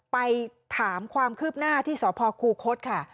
ไปถามความคืบหน้าที่สพคูคศค่ะ